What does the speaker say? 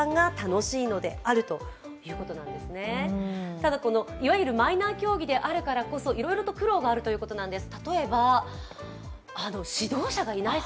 ただ、いわゆるマイナー競技であるからこそ、いろいろと苦労があるということなんです。